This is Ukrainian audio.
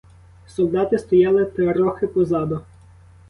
Солдати стояли трохи позаду.